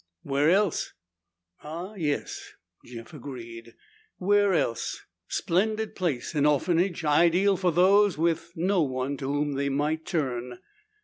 "Where else?" "Ah, yes," Jeff agreed. "Where else? Splendid place, an orphanage. Ideal for those with no one to whom they might turn."